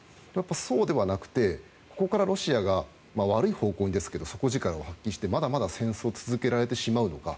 そうではなくてここからロシアが悪い方向ですが底力を発揮してまだまだ戦争を続けられてしまうのか。